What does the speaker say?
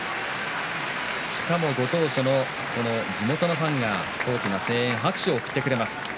しかも、ご当所の地元のファンが大きな声援、拍手を送ってくれます。